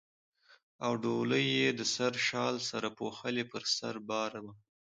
او ډولۍ یې د سره شال سره پوښلې پر سر بار وه.